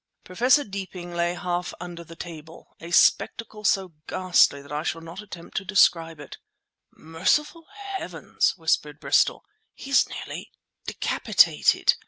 Professor Deeping lay half under the table, a spectacle so ghastly that I shall not attempt to describe it. "Merciful heavens!" whispered Bristol. "He's nearly decapitated!"